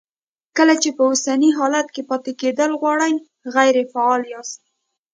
کله چې په اوسني حالت کې پاتې کېدل غواړئ غیر فعال یاست.